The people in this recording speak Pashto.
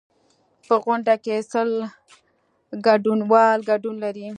په غونډه کې سل ګډونوال ګډون لري.